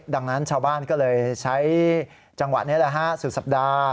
ดังนั้นชาวบ้านก็เลยใช้จังหวะนี้แหละฮะสุดสัปดาห์